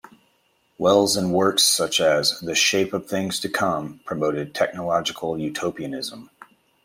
Wells in works such as "The Shape of Things to Come" promoted technological utopianism.